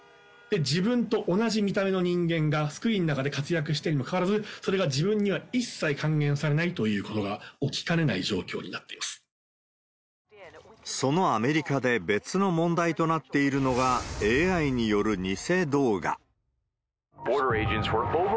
自分と同じ見た目の人間がスクリーンの中で活躍しているにもかかわらず、それが自分には一切還元されないということが起きかねない状況にそのアメリカで別の問題となっているのが、ＡＩによる偽動画。